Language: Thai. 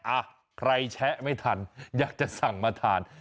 อ่ะใครแชะไม่ทันอยากจะสั่งมาทาน